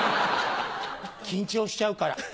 緊張しちゃうから。